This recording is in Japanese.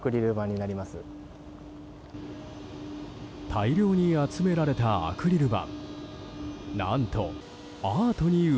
大量に集められたアクリル板。